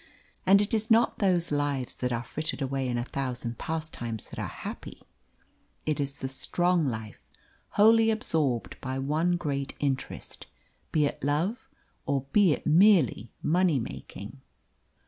And it is not those lives that are frittered away in a thousand pastimes that are happy. It is the strong life wholly absorbed by one great interest, be it love or be it merely money making.